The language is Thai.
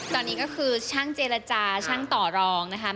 ตอนนี้ก็คือช่างเจรจาช่างต่อรองนะคะ